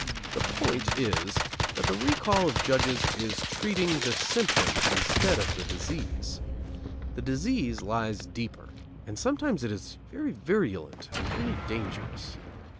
The point is that the recall of judges is treating the symptom instead of the disease. The disease lies deeper, and sometimes it is very virulent and very dangerous.